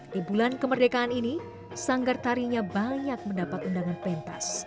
di bulan kemerdekaan ini sanggar tarinya banyak mendapat undangan pentas